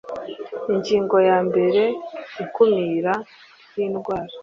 Ingingo ya mbere Ikumira ry indwara